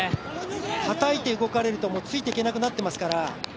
はたいて動かれると、ついていけなくなっていますから。